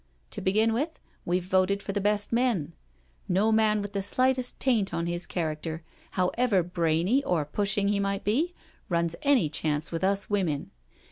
To begin with, we've voted for the best men — no man with the slightest taint on his character, however brainy or pushing he might be, runs any chance with us women.